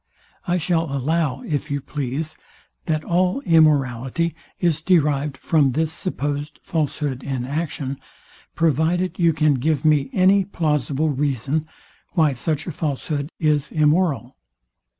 I shall allow, if you please, that all immorality is derived from this supposed falshood in action, provided you can give me any plausible reason, why such a falshood is immoral.